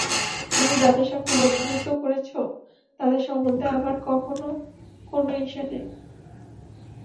তুমি যাদের সঙ্গে বন্ধুত্ব করেছ, তাদের সম্বন্ধে আমার কখনও কোন ঈর্ষা নেই।